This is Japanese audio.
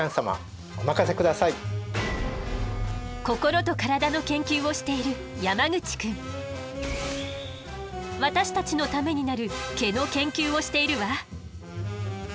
心と体の研究をしている私たちのためになる毛の研究をしているわ。